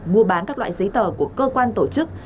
mua bán các loại giấy tờ của cơ quan tổ chức